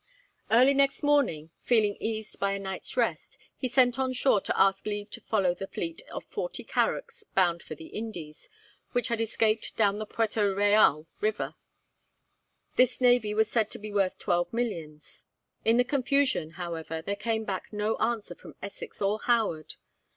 Early next morning, feeling eased by a night's rest, he sent on shore to ask leave to follow the fleet of forty carracks bound for the Indies, which had escaped down the Puerto Real river; this navy was said to be worth twelve millions. In the confusion, however, there came back no answer from Essex or Howard.